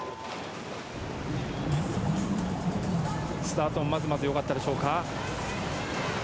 スタートはまずまず良かったでしょうか。